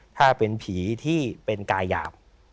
ถ้าเป็นผีที่เป็นกายยาม